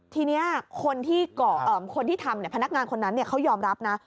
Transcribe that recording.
ทีนี้คนที่ทำพนักงานคนนั้นเขายอมรับนะ